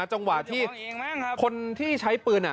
จังหวะที่คนที่ใช้ปืน